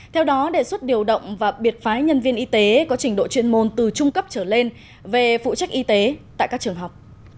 theo đó đề xuất điều động và biệt phái nhân viên y tế có trình độ chuyên môn từ trung cấp trở lên về phụ trách y tế tại các trường học